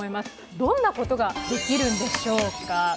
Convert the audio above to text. どんなことができるんでしょうか。